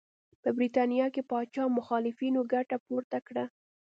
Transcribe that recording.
په برېټانیا کې پاچا مخالفینو ګټه پورته کړه.